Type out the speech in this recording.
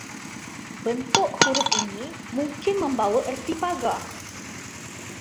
Bentuk huruf ini mungkin membawa erti pagar